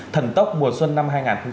thần tốc mùa xuân năm hai nghìn hai mươi